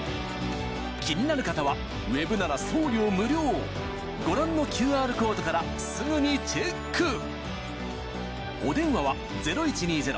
気になる方はＷＥＢなら送料無料ご覧のＱＲコードからすぐにチェック